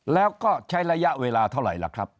แล้วก็ใช้ระยะเวลาเท่าไหร่ล่ะครับ